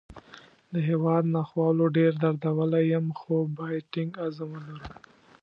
د هیواد ناخوالو ډېر دردولی یم، خو باید ټینګ عزم ولرو